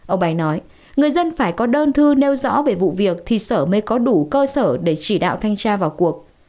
ông bày nói người dân phải có đơn thư nêu rõ về vụ việc thì sở mới có đủ cơ sở để chỉ đạo thanh tra vào cuộc